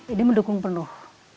ini mendukung penuh